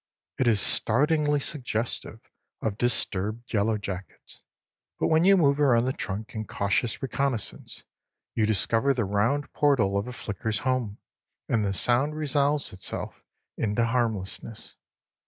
It is startlingly suggestive of disturbed yellow jackets, but when you move around the trunk in cautious reconnoissance, you discover the round portal of a flicker's home, and the sound resolves itself into harmlessness.